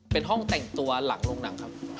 เป็นห้องแต่งตัวหลังโรงหนังครับ